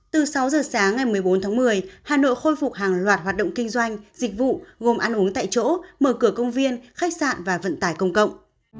từ sáu giờ sáng ngày một mươi bốn tháng một mươi hà nội khôi phục hàng loạt hoạt động kinh doanh dịch vụ gồm ăn uống tại chỗ mở cửa công viên khách sạn và vận tải công cộng